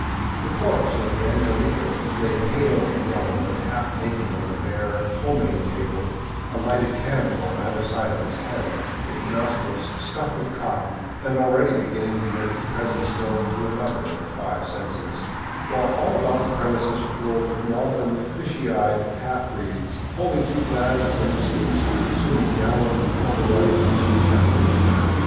The corpse of the angelito lay pale yellow and half naked on a bare, home made table, a lighted candle on either side of its head, its nostrils stuffed with cotton, and already beginning to make its presence known to another of the five senses, while all about the premises rolled maudlin, fishy eyed half breeds, only too glad of any excuse for consuming gallons of overripe chicha.